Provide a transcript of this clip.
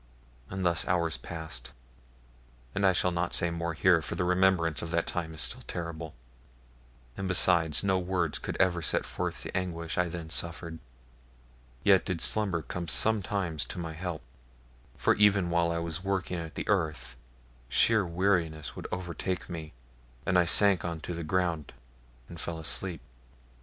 And thus the hours passed, and I shall not say more here, for the remembrance of that time is still terrible, and besides, no words could ever set forth the anguish I then suffered, yet did slumber come sometimes to my help; for even while I was working at the earth, sheer weariness would overtake me, and I sank on to the ground and fell asleep.